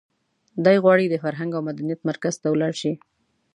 دی غواړي د فرهنګ او مدنیت مرکز ته ولاړ شي.